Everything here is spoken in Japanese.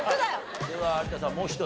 では有田さんもう一人。